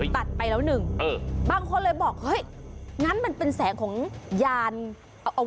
คุณผู้ชมคุดว่าเป็นแสงของอะไร